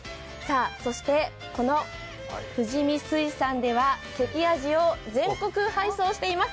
そしてこの富士見水産では関あじを全国配送しています。